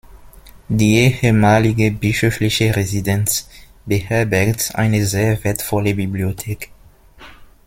Die ehemalige bischöfliche Residenz beherbergt eine sehr wertvolle Bibliothek.